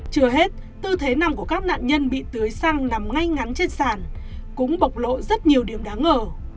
chưa hết tư thế nằm của các nạn nhân bị tưới xăng nằm ngay ngắn trên sàn cũng bộc lộ rất nhiều điểm đáng ngờ